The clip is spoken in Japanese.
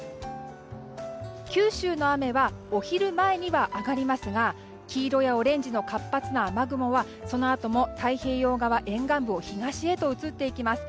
九州の雨はお昼前には上がりますが黄色やオレンジの活発な雨雲はそのあとも太平洋側沿岸部を東へと移っていきます。